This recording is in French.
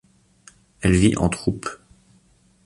Elle vit en troupe.